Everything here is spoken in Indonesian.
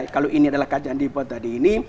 kalau ini adalah kacandipa tadi ini